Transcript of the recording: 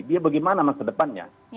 dia bagaimana masa depannya